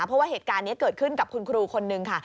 เพราะว่าเหตุการณ์นี้เกิดขึ้นกับคุณครูคนนึงค่ะ